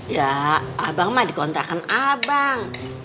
ya abang mah dikontrakan abang